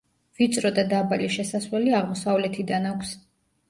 ვიწრო და დაბალი შესასვლელი აღმოსავლეთიდან აქვს.